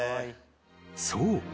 ［そう。